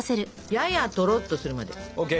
ややとろっとするまで。ＯＫ。